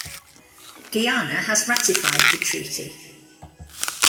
Guyana has ratified the treaty.